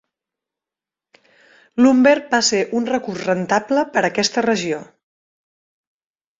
Lumber va ser un recurs rentable per a aquesta regió.